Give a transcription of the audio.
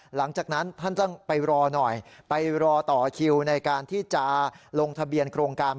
หลังจากนั้นท่านต้องไปรอหน่อยไปรอต่อคิวในการที่จะลงทะเบียนโครงการ